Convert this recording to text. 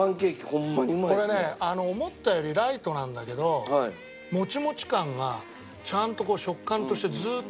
これね思ったよりライトなんだけどもちもち感がちゃんと食感としてずっとある。